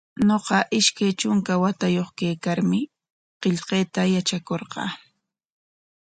Ñuqa ishkay trunka watayuq karraqmi qillqayta yatrakurqaa.